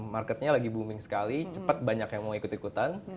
marketnya lagi booming sekali cepat banyak yang mau ikut ikutan